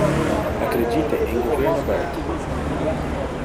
Acredite em governo aberto